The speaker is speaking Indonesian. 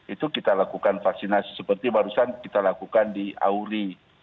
itu kita lakukan vaksinasi seperti barusan kita lakukan di auri